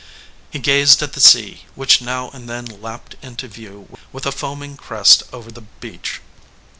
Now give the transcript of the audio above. He gazed at the sea, which now and then lapped into view with a foam ing crest over the beach.